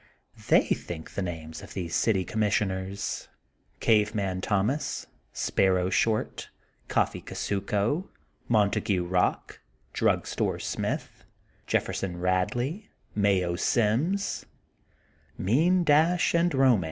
They think the names of these City Commissioners: Cave Man Thomas,'' '* Sparrow Short,'' Coffee Kusuko," Mon tague Eock,'' ''Drug Store Smith," ''Jeffer son Badley," "Mayo Sims," mean dash and romance.